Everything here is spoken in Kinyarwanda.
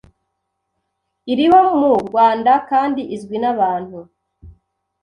iriho mu Rwanda kandi izwi n’abantu